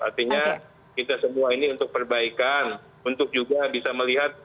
artinya kita semua ini untuk perbaikan untuk juga bisa melihat